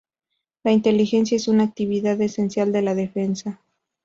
La inteligencia es una actividad esencial de la defensa.